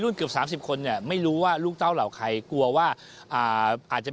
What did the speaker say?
รุ่นเกือบ๓๐คนเนี่ยไม่รู้ว่าลูกเต้าเหล่าใครกลัวว่าอาจจะ